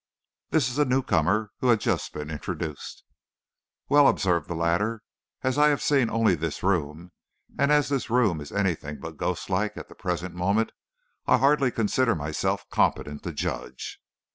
This is a newcomer who had just been introduced. "Well," observed the latter, "as I have seen only this room, and as this room is anything but ghostlike at the present moment, I hardly consider myself competent to judge."